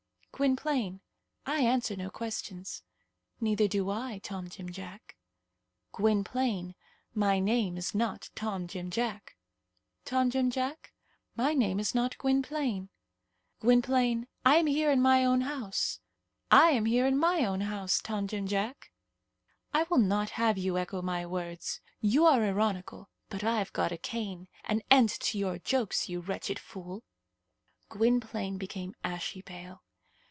"Gwynplaine, I answer no questions." "Neither do I, Tom Jim Jack." "Gwynplaine, my name is not Tom Jim Jack." "Tom Jim Jack, my name is not Gwynplaine." "Gwynplaine, I am here in my own house." "I am here in my own house, Tom Jim Jack." "I will not have you echo my words. You are ironical; but I've got a cane. An end to your jokes, you wretched fool." Gwynplaine became ashy pale.